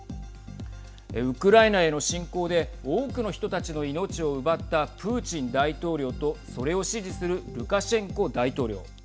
ウクライナへの侵攻で多くの人たちの命を奪ったプーチン大統領とそれを支持するルカシェンコ大統領。